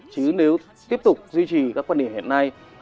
chứ nếu tiếp tục duy trì các quan điểm hiện nay